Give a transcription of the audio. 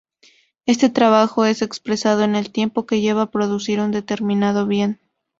Este trabajo es expresado en el tiempo que lleva producir un determinado bien.